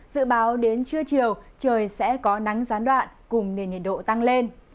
dự báo đến trưa chiều trời sẽ có nắng gián đoạn cùng nền nhiệt độ tăng lên